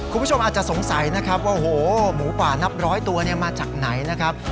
คุณผู้ชมอาจจะสงสัยนะครับว่าโอ้โหหมูป่านับร้อยตัวมาจากไหนนะครับ